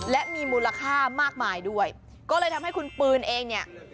และมีมูลค่ามากมายด้วยก็เลยทำให้คุณปืนเองเนี่ย